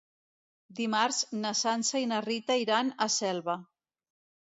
Dimarts na Sança i na Rita iran a Selva.